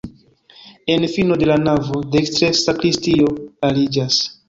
En fino de la navo dekstre sakristio aliĝas.